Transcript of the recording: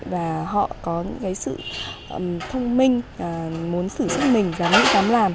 và họ có những cái sự thông minh muốn xử sức mình dám nghĩ dám làm